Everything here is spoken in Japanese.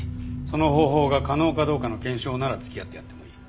その方法が可能かどうかの検証なら付き合ってやってもいい。